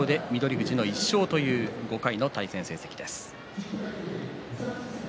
富士の１勝という５回の対戦成績です。